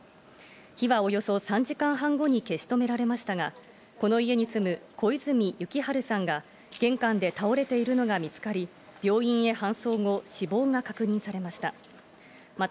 火はおよそ３時間半後に消し止められましたがこの家に住む小泉幸晴さんが玄関で倒れているのが見つかり、病院へ搬送後、死亡が確認されました。